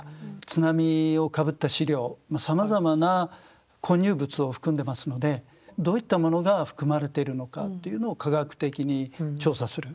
津波をかぶった資料さまざまな混入物を含んでますのでどういったものが含まれているのかというのを科学的に調査する。